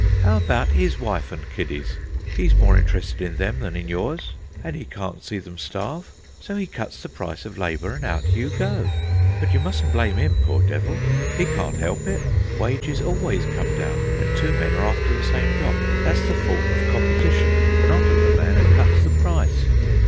How about his wife and kiddies? He's more interested in them than in yours, and he can't see them starve. So he cuts the price of labour and out you go. But you mustn't blame him, poor devil. He can't help it. Wages always come down when two men are after the same job. That's the fault of competition, not of the man who cuts the price."